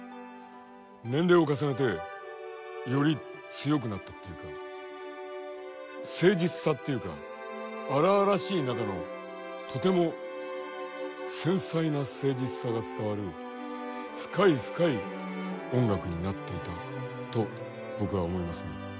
年齢を重ねてより強くなったっていうか誠実さっていうか荒々しい中のとても繊細な誠実さが伝わる深い深い音楽になっていたと僕は思いますね。